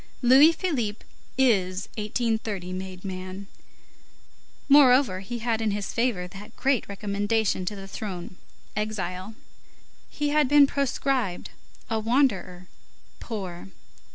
Louis Philippe is 1830 made man. Moreover, he had in his favor that great recommendation to the throne, exile. He had been proscribed, a wanderer, poor.